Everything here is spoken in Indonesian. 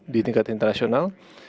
di tingkat internasional